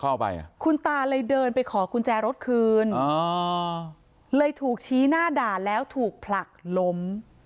อ่ะคุณตาเลยเดินไปขอกุญแจรถคืนอ๋อเลยถูกชี้หน้าด่าแล้วถูกผลักล้ม